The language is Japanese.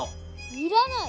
要らない！